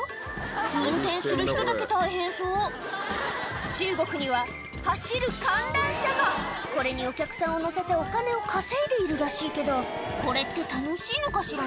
運転する人だけ大変そう中国には走る観覧車がこれにお客さんを乗せてお金を稼いでいるらしいけどこれって楽しいのかしら？